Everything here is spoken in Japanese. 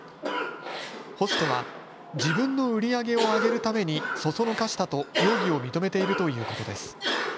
ホストは自分の売り上げを上げるために唆したと容疑を認めているということです。